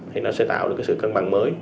thì nó sẽ tạo được cái sự cân bằng mới